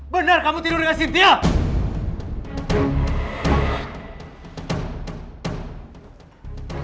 benar kamu tidur bersama cynthia